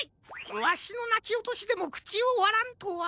わしのなきおとしでもくちをわらんとは。